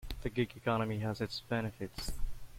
The gig economy has its benefits.